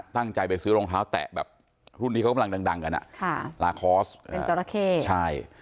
อยากใจไปซื้อรองเท้าแตะแบบรุ่นนี้เขากำลังดังกันอ่ะ